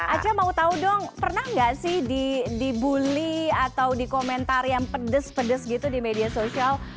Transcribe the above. aca mau tahu dong pernah enggak sih dibully atau dikomentar yang pedes pedes gitu di media